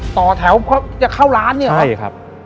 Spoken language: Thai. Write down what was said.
ต่อแถวเพราะอยากเข้าร้านใช่ครับ